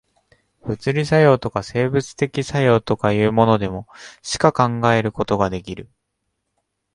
物理作用とか、生物的作用とかいうものでも、しか考えることができる。